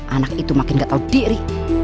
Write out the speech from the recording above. anak itu makin gak tahu diri